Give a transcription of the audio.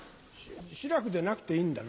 「しらく」でなくていいんだな。